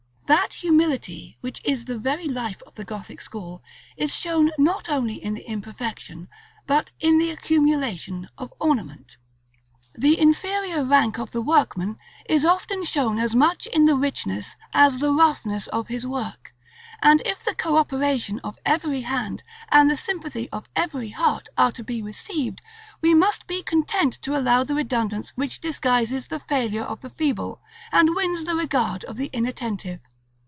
That humility, which is the very life of the Gothic school, is shown not only in the imperfection, but in the accumulation, of ornament. The inferior rank of the workman is often shown as much in the richness, as the roughness, of his work; and if the co operation of every hand, and the sympathy of every heart, are to be received, we must be content to allow the redundance which disguises the failure of the feeble, and wins the regard of the inattentive.